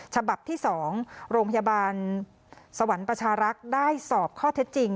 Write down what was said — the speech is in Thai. ฉบับที่๒โรงพยาบาลสวรรค์ประชารักษ์ได้สอบข้อเท็จจริง